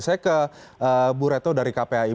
saya ke bu retno dari kpai